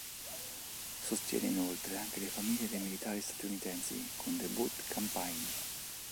Sostiene inoltre anche le famiglie dei militari statunitensi con The Boot Campaign.